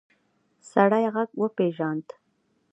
سړی غږ وپېژاند.